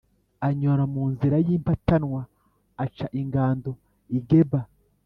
Anyura mu nzira y’impatanwa, aca ingando i Geba.